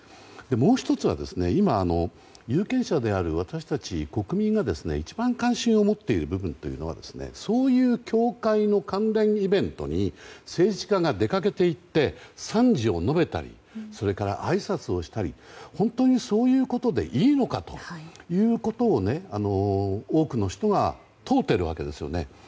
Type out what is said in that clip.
もう１つは今有権者である私たち国民が一番関心を持っている部分はそういう教会の関連イベントに政治家が出かけて行って賛辞を述べたりそれから、あいさつをしたり本当にそういうことでいいのかということを多くの人が問うているわけですよね。